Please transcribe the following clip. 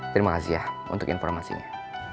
terima kasih ya untuk informasinya